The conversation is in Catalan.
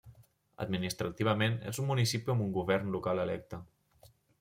Administrativament és un municipi amb un govern local electe.